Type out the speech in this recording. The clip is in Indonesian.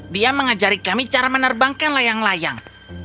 dia mengajari kami cara menerbangkan layang layang